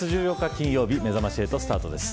金曜日めざまし８スタートです。